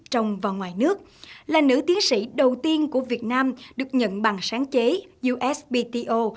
trong và ngoài nước là nữ tiến sĩ đầu tiên của việt nam được nhận bằng sáng chế usbto